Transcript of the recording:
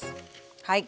はい。